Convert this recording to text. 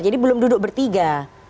jadi belum duduk bertiga